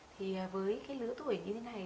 thì với cái lứa tuổi như thế này